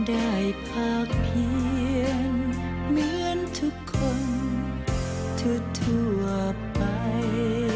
ได้พักเพียงเหมือนทุกคนทั่วไป